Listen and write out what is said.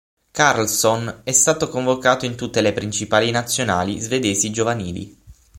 Karlsson è stato convocato in tutte le principali Nazionali svedesi giovanili.